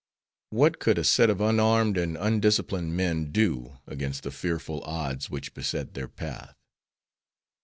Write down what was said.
What could a set of unarmed and undisciplined men do against the fearful odds which beset their path?